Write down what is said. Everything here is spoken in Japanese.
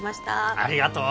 ありがとう。